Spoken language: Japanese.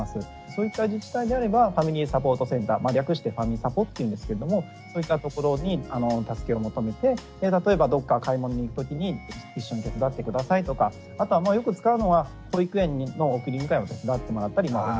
そういった自治体であればファミリーサポートセンター略してファミサポっていうんですけれどもそういったところに助けを求めて例えばどっか買い物に行くときに一緒に手伝って下さいとかあとはよく使うのは保育園の送り迎えを手伝ってもらったりお願いしたりとか。